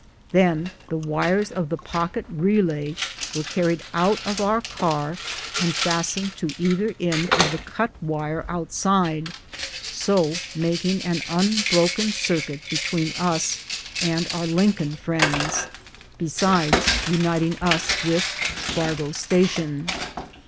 Then the wires of the pocket relay were carried out of our car and fastened to either end of the cut wire outside, 60 making an unbroken circuit between us and our Lin coln friends, besides uniting us with Fargo station.